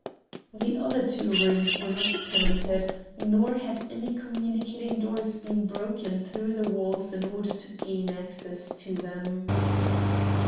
The other two rooms were not tenanted, nor had any communicating doors been broken through the walls in order to gain access to them.